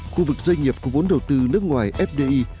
khu vực doanh nghiệp có vốn đầu tư nước ngoài fdi